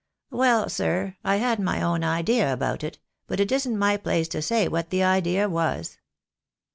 "Well, sir, I had my own idea about it, but it isn't my place to say what that idea was."